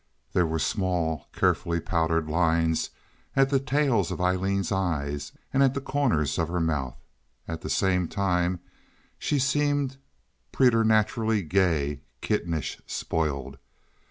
There were small carefully powdered lines at the tails of Aileen's eyes and at the corners of her mouth. At the same time she seemed preternaturally gay, kittenish, spoiled.